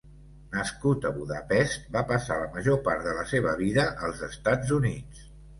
Nascut a Budapest, va passar la major part de la seva vida als Estats Units.